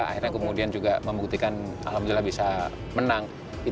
akhirnya kemudian juga membuktikan alhamdulillah bisa menang